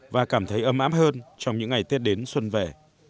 và cảm thấy ấm áp hơn trong những ngày tết đến xuân về